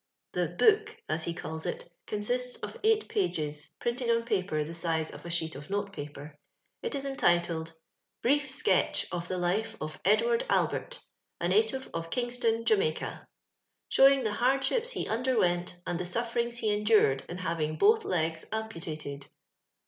Tho '^Book" (as he calls it) consists of eight pages, printed on paper the size of s sheet of note paper; it is entitled —<* BBIEF SKETCH OF THE LIF£ OF EDWABD ALBERT ! A native of Khigston, JamiUra Showing the hardshipe h^ underwient and the ■ofToringBne endured in naving both legs ampatated.